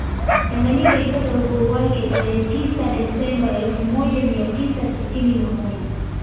Tanganyika ilipata uhuru wake tarehe tisa Desemba elfu moja mia tisa sitini na moja